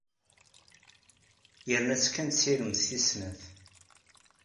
Yerna-tt kan d tiremt tis-snat.